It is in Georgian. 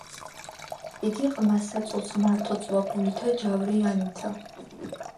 იგი ყმა საწოლს მარტო წვა გულითა ჯავრიანითა.